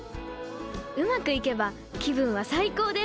うまくいけば気分は最高です！